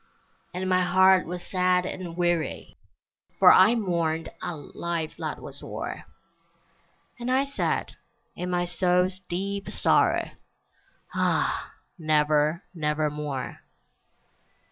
And my heart was sad and weary, For I mourned a life that was o'er, And I said, in my soul's deep sorrow, "Ah! never, nevermore!"